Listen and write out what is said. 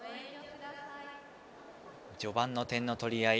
序盤の点の取り合い